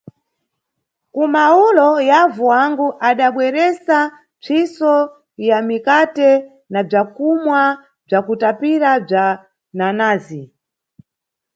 Kumawulo, yavu wangu adabweresa mpsiso ya mikate na bzakumwa bzakutapira bza nanazi.